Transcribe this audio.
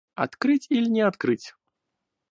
Открыть иль не открыть?